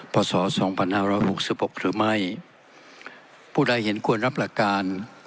พศสองพันห้าร้อยหกสิบหกหรือไม่ผู้ใดเห็นควรรับหลักการ